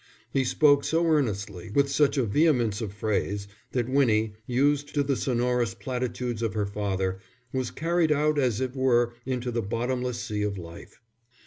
He spoke so earnestly, with such a vehemence of phrase, that Winnie, used to the sonorous platitudes of her father, was carried out as it were into the bottomless sea of life.